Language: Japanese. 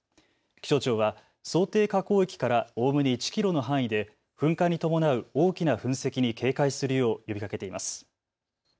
気象庁は想定火口域からおおむね１キロの範囲で噴火に伴う大きな噴石に警戒するよう呼びかけています。